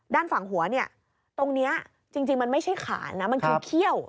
ด้านฝั่งหัวเนี่ยตรงนี้จริงมันไม่ใช่ขานนะมันคือเขี้ยว